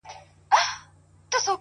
هره هڅه شخصیت پیاوړی کوي,